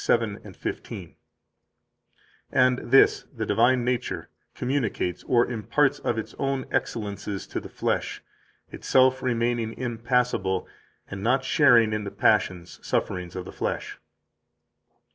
7,15: "And this [the divine nature] [communicates or] imparts of its own excellences to the flesh, itself remaining impassible, and not sharing in the passions [sufferings] of the flesh.